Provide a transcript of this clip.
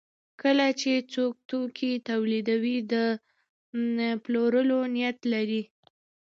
کله چې څوک توکي تولیدوي د پلورلو نیت لري.